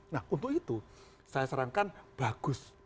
nah untuk itu saya sarankan bagus